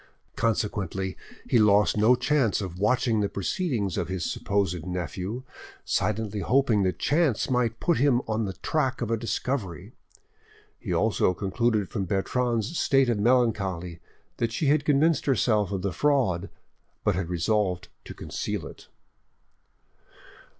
Consequently he lost no chance of watching the proceedings of his supposed nephew, silently hoping that chance might put him on the track of a discovery. He also concluded from Bertrande's state of melancholy that she had convinced herself of the fraud, but had resolved to conceal it.